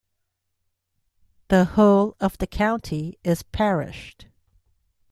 The whole of the county is parished.